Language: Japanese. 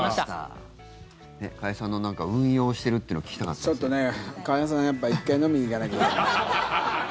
加谷さんの運用してるっていうのちょっとね、加谷さんやっぱり１回飲みに行かなきゃいけない。